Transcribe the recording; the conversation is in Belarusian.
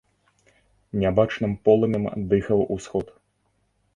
Нябачным полымем дыхаў усход.